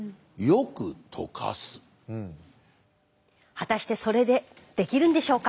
果たしてそれでできるんでしょうか？